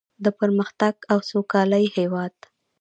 د پرمختګ او سوکالۍ هیواد.